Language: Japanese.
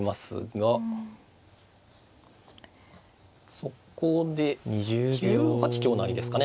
そこで９八香成ですかね。